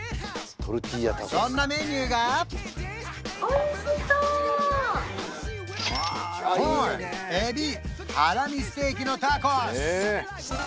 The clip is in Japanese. そんなメニューがコーンエビハラミステーキのタコス